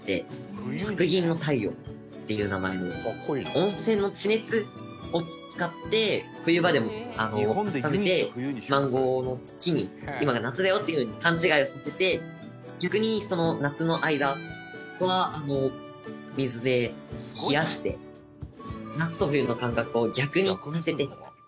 温泉の地熱を使って冬場でも温めてマンゴーの木に今が夏だよっていうふうに勘違いをさせて逆に夏の間は水で冷やして夏と冬の感覚を逆にさせて。